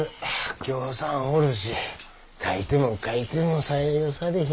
ぎょうさんおるし書いても書いても採用されへんし。